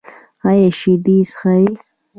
ایا شیدې څښئ؟